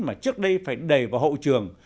mà trước đây phải đầy vào hậu trường